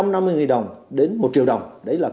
nghìn đồng đến một triệu đồng đấy là